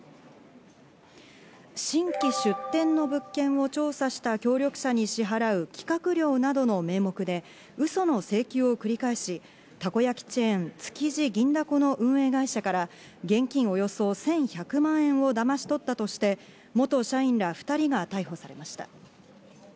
新規出店の物件を調査した協力者に支払う企画料などの名目でうその請求を繰り返し、たこ焼きチェーン築地銀だこの運営会社から現金およそ１１００万円をだまし取ったとして、元社員ら２人が逮捕されました。